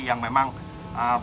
yang memang terjadi